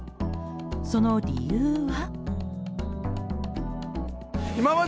その理由は？